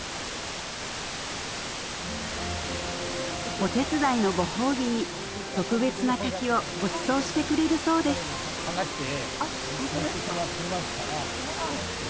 お手伝いのご褒美に特別な柿をごちそうしてくれるそうですホントですか？